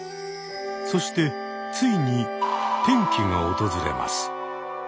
そしてついに転機が訪れます。